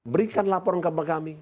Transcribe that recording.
berikan laporan kepada kami